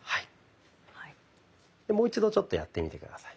もう一度ちょっとやってみて下さい。